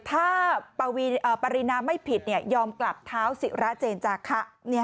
ถ้าปรินาไม่ผิดยอมกลับเท้าศิระเจนจาคะ